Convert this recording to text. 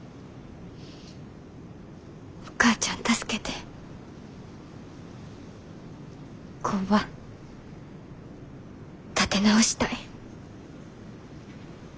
お母ちゃん助けて工場立て直したい。